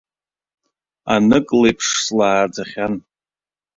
Анык леиԥш слааӡахьан.